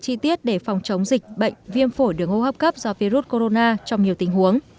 chi tiết để phòng chống dịch bệnh viêm phổi đường hô hấp cấp do virus corona trong nhiều tình huống